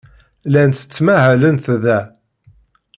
Llant ttmahalent da.